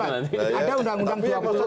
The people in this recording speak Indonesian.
ada undang undang dua puluh empat